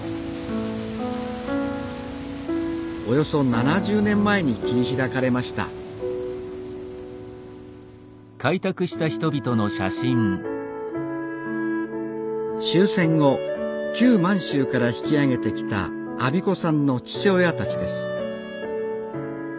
およそ７０年前に切り開かれました終戦後旧満州から引き揚げてきた安孫子さんの父親たちです。